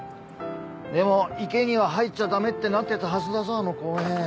でも池には入っちゃダメってなってたはずだぞあの公園。